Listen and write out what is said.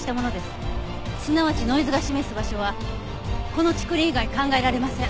すなわちノイズが示す場所はこの竹林以外考えられません。